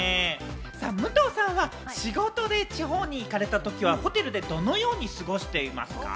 武藤さんは、仕事で地方に行かれたときはホテルでどのように過ごしていますか？